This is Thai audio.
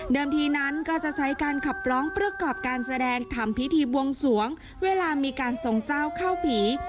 ทีนั้นก็จะใช้การขับร้องประกอบการแสดงทำพิธีบวงสวงเวลามีการทรงเจ้าเข้าผี